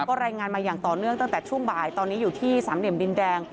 ก็รายงานมาอย่างต่อเนื่องตั้งแต่ช่วงบ่ายตอนนี้อยู่ที่สามเหลี่ยมดินแดง